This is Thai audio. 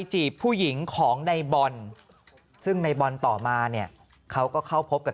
จีบผู้หญิงของในบอลซึ่งในบอลต่อมาเนี่ยเขาก็เข้าพบกับ